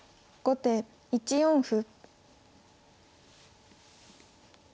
後手３四歩。